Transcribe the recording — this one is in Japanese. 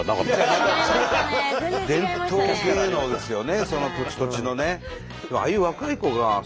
伝統芸能ですよねその土地土地のね。